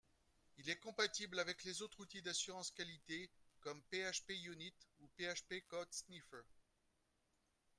Il est compatible avec les autres outils d'assurance qualité comme PHPUnit ou PHP CodeSniffer